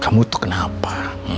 kamu tuh kenapa